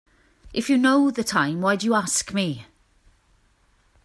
If you know the time why do you ask me?